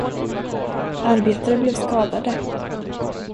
Arbetare blev skadade.